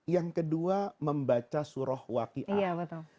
yang kedua membaca surah wakiat